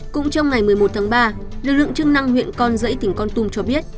cũng trong ngày một mươi một tháng ba lực lượng chức năng huyện con rẫy tỉnh con tum cho biết